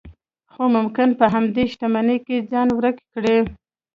خو ممکن په همدې شتمنۍ کې ځان ورک کړئ.